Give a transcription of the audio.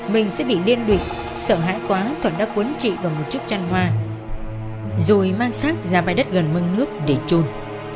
mình sẽ bị liên đụy sợ hãi quá thuận đã cuốn chị vào một chiếc chăn hoa rồi mang sát ra bãi đất gần mưng nước để trôn